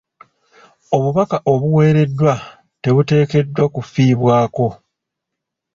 Obubaka obuweereddwa tebuteekeddwa kufiibwako.